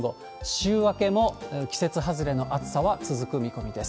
週明けも季節外れの暑さは続く見込みです。